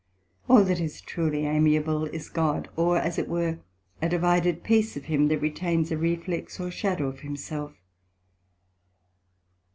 All that is truly amiable is God, or as it were a divided piece of him, that retains a reflex or shadow of himself.